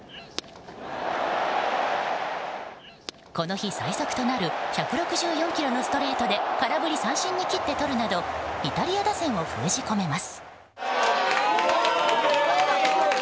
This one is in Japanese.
この日最速となる１６４キロのストレートで空振り三振に切って取るなどイタリア打線を封じ込めます。